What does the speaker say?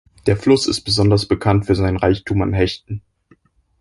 Der Fluss ist besonders bekannt für seinen Reichtum an Hechten.